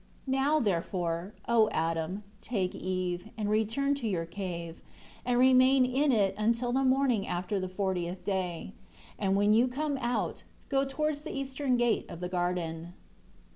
11 Now, therefore, O Adam, take Eve, and return to your cave, and remain in it until the morning after the fortieth day. And when you come out, go towards the eastern gate of the garden."